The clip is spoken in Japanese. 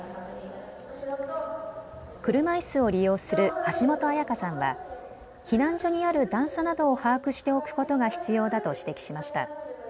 車いすを利用する橋本絢花さんは避難所にある段差などを把握しておくことが必要だと指摘しました。